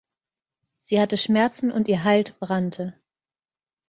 Sie hatte Schmerzen und ihr Halt brannte.